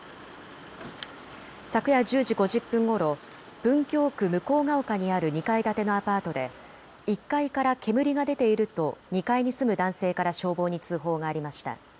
昨夜１０時５０分ごろ、文京区向丘にある２階建てのアパートで１階から煙が出ていると２階に住む男性から消防に通報がありました。